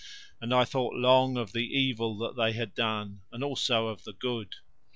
And I thought long of the evil that they had done, and also of the good.